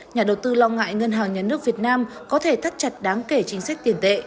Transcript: nhà đầu tư lo ngại ngân hàng nhà nước việt nam có thể thắt chặt đáng kể chính sách tiền tệ